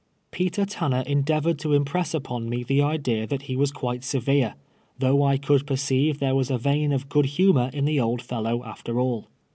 Peter Tanner endeavored to impress upon me the idea that he was quite severe, though I could per ceive there was a vein of good humor in the old fel low, after all.